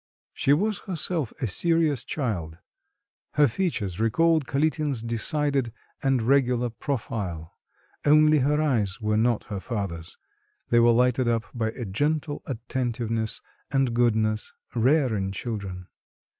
She was herself a serious child. Her features recalled Kalitin's decided and regular profile, only her eyes were not her father's; they were lighted up by a gentle attentiveness and goodness, rare in children.